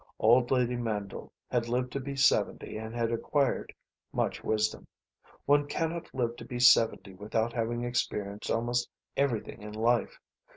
Old lady Mandle had lived to be seventy and had acquired much wisdom. One cannot live to be seventy without having experienced almost everything in life.